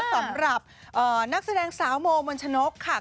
สำหรับนักแสดงสาวโมมนชนกค่ะ